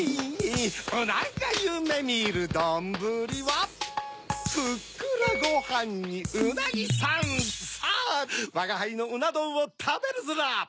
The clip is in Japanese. うながゆめみるどんぶりはふっくらごはんにうなぎさんさぁわがはいのうなどんをたべるヅラ！